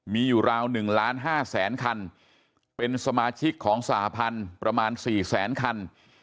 มีอยู่ราว๑๕๐๐๐๐๐คันเป็นสมาชิกของสหพันธุ์ประมาณ๔๐๐๐๐๐คัน